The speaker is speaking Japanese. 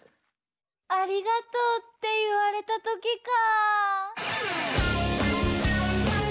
「ありがとう」っていわれたときか。